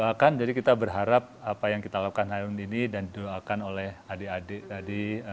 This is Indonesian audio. doakan jadi kita berharap apa yang kita lakukan hari ini dan didoakan oleh adik adik tadi